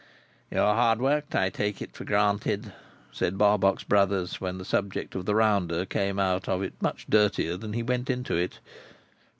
"You are hard worked, I take for granted?" said Barbox Brothers, when the subject of the rounder came out of it much dirtier than he went into it.